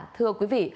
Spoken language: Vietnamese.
thưa quý vị